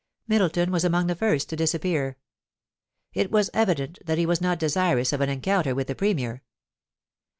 Middleton was among the fint to disappear ; it was evident that he was not desirous of an encounter with the Premier.